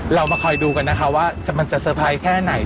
เรามาคอยดูกันนะคะว่ามันจะเตอร์ไพรส์แค่ไหน